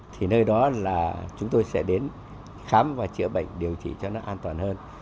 thì nơi đó là chúng tôi sẽ đến khám và chữa bệnh điều trị cho nó an toàn hơn